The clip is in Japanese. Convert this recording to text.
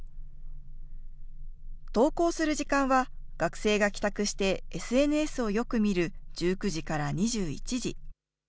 投稿する時間は、学生が帰宅してＳＮＳをよく見る１９時から２１時。